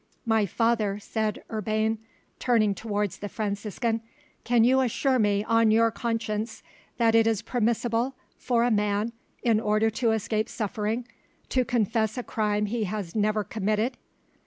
"My father," said Urbain, turning towards the Franciscan, "can you assure me on your conscience that it is permissible for a man, in order to escape suffering, to confess a crime he has never committed?"